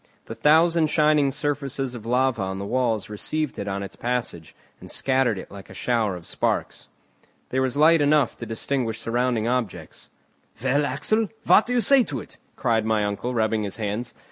The thousand shining surfaces of lava on the walls received it on its passage, and scattered it like a shower of sparks. There was light enough to distinguish surrounding objects. "Well, Axel, what do you say to it?" cried my uncle, rubbing his hands.